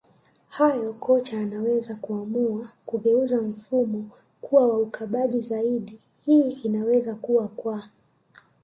hayo kocha anaweza kuamua kugeuza mfumo kuwa wa ukabaji zaidi hii inaweza kua kwa